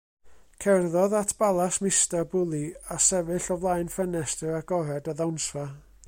Cerddodd at balas Mistar Bully, a sefyll o flaen ffenestr agored y ddawnsfa.